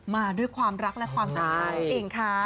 มาด้วยความรักและความศรัทธานั่นเองค่ะ